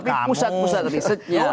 tapi pusat pusat risetnya